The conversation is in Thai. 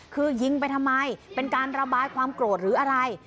คือยิงไปทำไมเป็นการระบายความโกรธหรืออะไร